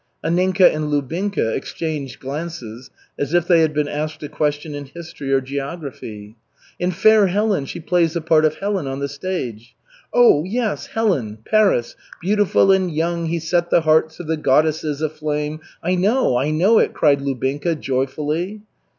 Anninka and Lubinka exchanged glances as if they had been asked a question in history or geography. "In Fair Helen she plays the part of Helen on the stage." "Oh, yes Helen Paris 'Beautiful and young; he set the hearts of the goddesses aflame ' I know, I know it," cried Lubinka joyfully.